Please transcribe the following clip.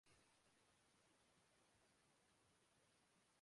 تشدد سب جانتے ہیں کہ بد ترین گھٹن کو جنم دیتا ہے۔